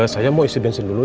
saya mau isi bensin dulu ya